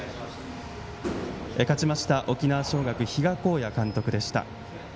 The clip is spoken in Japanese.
勝ちました沖縄尚学比嘉公也監督でした。